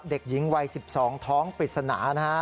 เด็กหญิงวัย๑๒ท้องปริศนานะฮะ